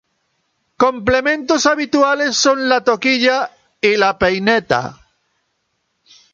Complementos habituales son la toquilla y la peineta.